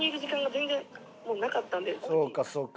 そうかそうか。